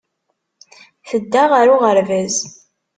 Tedda ɣer uɣerbaz.